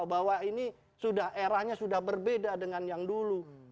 bahwa ini sudah eranya sudah berbeda dengan yang dulu